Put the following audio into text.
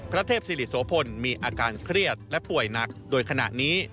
พระเทพศิริโสพลมีอาการเครียดและป่วยหนักโดยขณะนี้